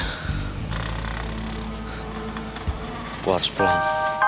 gue harus pulang